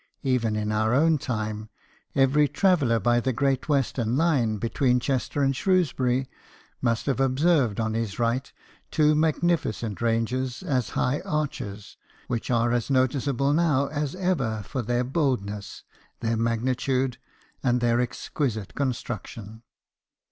Even in our own time, ever/ traveller by the Great Western line be tween Chester and Shrewsbury must have ob served on his right two magnificent ranges as high arches, which are as noticeable now as ever for their boldness, their magnitude, and their exquisite construction.